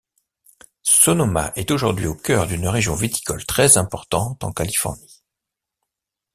Sonoma est aujourd'hui au cœur d'une région viticole très importante en Californie.